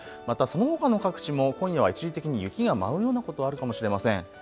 またそのほかの各地も今夜は一時的に雪が舞うようなことがあるかもしれません。